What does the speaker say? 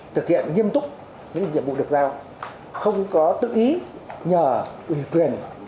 thực hiện nghiêm túc những nhiệm vụ được giao không có tự ý nhờ ủy quyền